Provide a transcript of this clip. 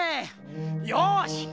よし！